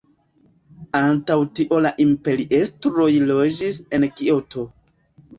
Antaŭ tio la imperiestroj loĝis en Kioto.